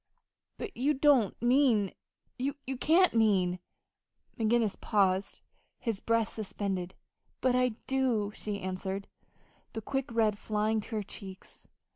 "But you don't mean you can't mean " McGinnis paused, his breath suspended. "But I do," she answered, the quick red flying to her cheeks.